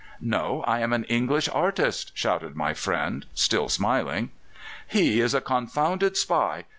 "No; I am an English artist," shouted my friend, still smiling. "He is a confounded spy!